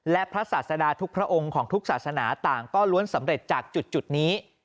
และพระศาสดาทุกพระองค์ของทุกศาสนาต่างก็ล้วนสำเร็จจากจุดนี้